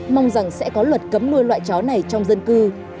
mong rằng sẽ có luật cấm nuôi loại chó này trong dân cư